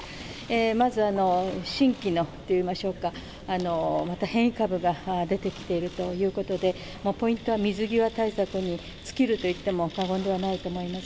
まず、新規のと言いましょうか、また変異株が出てきているということで、ポイントは水際対策に尽きるといっても過言ではないと思います。